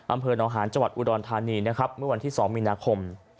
อำเภินอาหารจัวร์อุดอลธานีเมื่อวันที่๒มินาคม